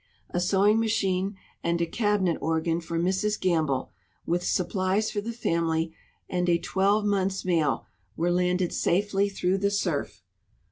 A sewing machine aftid a cabinet organ for Mrs Gamble, with supplies for the family and a twelve months' mail, were landed safely through the surf.